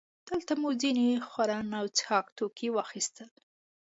دلته مو ځینې خوړن او څښاک توکي واخیستل.